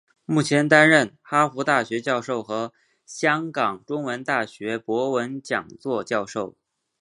目前担任哈佛大学教授和香港中文大学博文讲座教授。